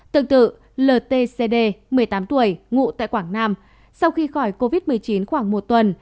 tương tự l t c d một mươi tám tuổi ngụ tại quảng nam sau khi khỏi covid một mươi chín khoảng một tuần